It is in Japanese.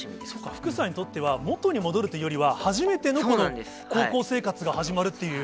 福さんにとっては、元に戻るというよりは、初めての高校生活が始まるっていう。